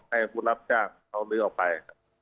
ให้ผู้รับจ้างเขาลื้อออกไป